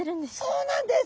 そうなんです！